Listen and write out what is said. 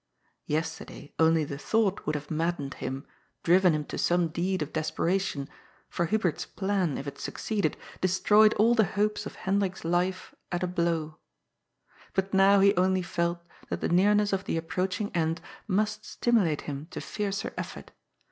Yesterday only the thought would have maddened him, driven him to some deed of desperation, for Hubert's plan, if it succeeded, destroyed all the hopes of Hendrik's life at a blow. But now he only felt that the nearness of the approaching end must stimulate him to fiercer effort.